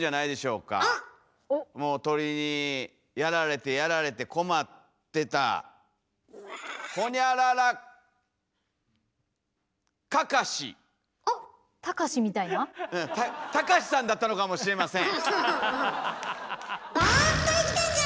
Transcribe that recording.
もう鳥にやられてやられて困ってたたかしさんだったのかもしれません。